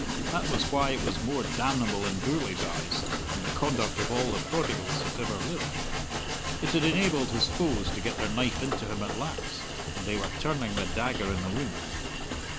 That was why it was more damnable in Gourlay's eyes than the conduct of all the prodigals that ever lived. It had enabled his foes to get their knife into him at last, and they were turning the dagger in the wound.